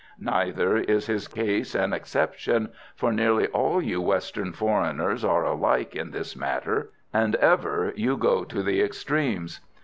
Neither is his case an exception, for nearly all you Western foreigners are alike in this matter, and ever you go to the extremes.